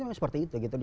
dia memang seperti itu